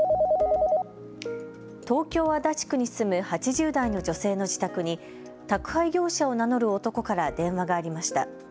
東京・足立区に住む８０代の女性の自宅に宅配業者を名乗る男から電話がありました。